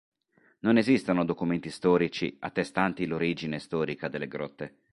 Non esistono documenti storici attestanti l'origine storica delle grotte.